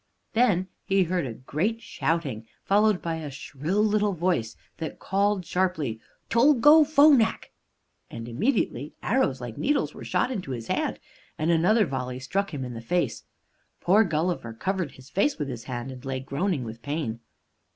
Then he heard a great shouting, followed by a shrill little voice that called sharply, "Tolgo phonac," and immediately, arrows like needles were shot into his hand, and another volley struck him in the face. Poor Gulliver covered his face with his hand, and lay groaning with pain.